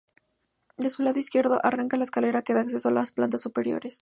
De su lado izquierdo arranca la escalera que da acceso a las plantas superiores.